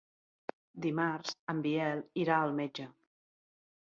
Dimarts en Biel irà al metge.